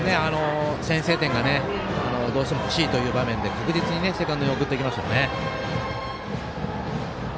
先制点がどうしても欲しいという場面で確実にセカンドに送ってきました。